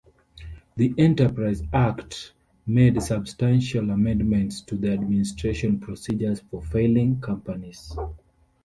The Enterprise Act made substantial amendments to the administration procedures for failing companies.